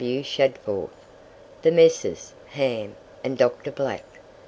W. Shadforth, the Messrs. Ham, and Dr. Black.